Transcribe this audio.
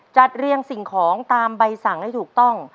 เรียงสิ่งของตามใบสั่งให้ถูกต้อง